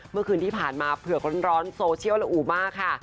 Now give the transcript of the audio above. เมื่อคืนที่ผ่านมาเผือกร้อนโซเชียลละอูมากค่ะ